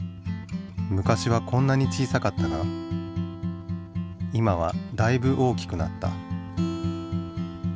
昔はこんなに小さかったが今はだいぶ大きくなった。